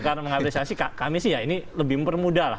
karena mengapresiasi kami sih ya ini lebih bermuda lah